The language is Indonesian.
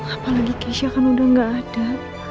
apalagi keisha kan udah gak ada